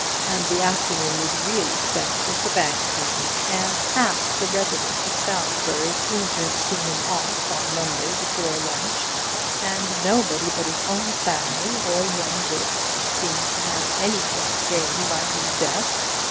And the afternoon was really spent with the bank people. And half the residents of Salisbury seem to have seen him off on Monday before lunch. And nobody but his own family or young Wicks seems to have anything to gain by his death.